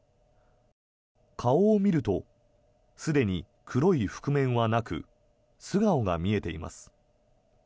顔を見るとすでに黒い覆面はなく素顔が見えています。